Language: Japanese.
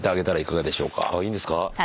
いいんですか？